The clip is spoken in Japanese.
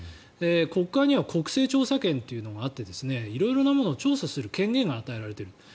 国会には国政調査権というのがあって色々なものを調査する権限が与えられている。